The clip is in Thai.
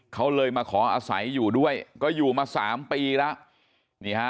เขาเลยมาขออาศัยอยู่ด้วยก็อยู่มา๓ปีแล้วนี่ฮะ